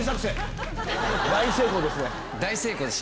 大成功ですね。